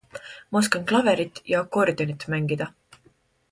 Ma oskan klaverit ja akordionit mängida.